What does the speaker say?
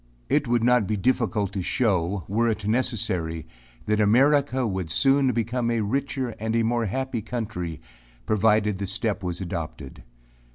It would not be difficult to show, were it necessary, that America would soon become a richer and more happy country, provided the step was adopted.